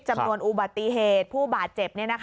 จำนวนอุบัติเหตุผู้บาดเจ็บ